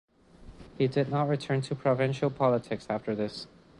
He did not return to provincial politics after this.